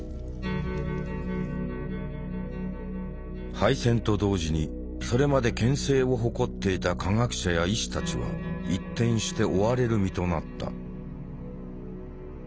敗戦と同時にそれまで権勢を誇っていた科学者や医師たちは一転して追われる身となった。